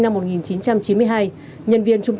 là một trong những trung tâm đăng kiểm đáng kể